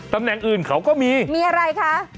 ตำแหน่งอื่นเขาก็มีมีอะไรคะ